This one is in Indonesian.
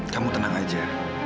kamu tenang aja